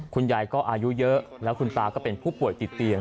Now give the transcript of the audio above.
คุณยายก็อายุเยอะแล้วคุณตาก็เป็นผู้ป่วยติดเตียง